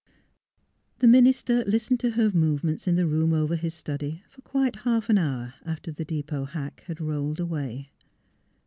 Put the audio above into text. " The minister listened to her movements in the room over his study for quite half an hour after the depot hack had rolled away.